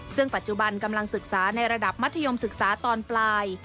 ซึ่งปัจจุบันกำลังศึกษาในระดับมัธยมศึกษาตอนปลาย